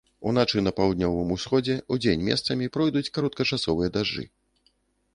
Уначы на паўднёвым усходзе, удзень месцамі пройдуць кароткачасовыя дажджы.